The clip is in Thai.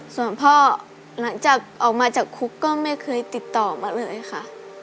ส่วนพ่อหลังจากออกมาจากคุกก็ไม่เคยติดต่อมาเลยค่ะ